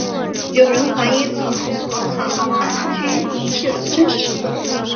有人怀疑草庵居士的真实身份。